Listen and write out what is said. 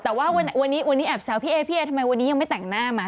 แต่ว่าวันนี้แอบแซวพี่เอ๊ทำไมวันนี้ยังไม่แต่งหน้ามา